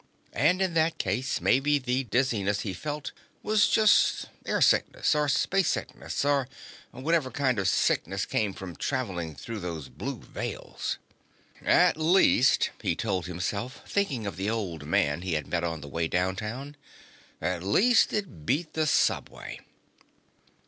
And, in that case, maybe the dizziness he felt was just airsickness, or spacesickness, or whatever kind of sickness came from traveling through those blue Veils. At least, he told himself, thinking of the old man he had met on the way downtown, at least it beat the subway.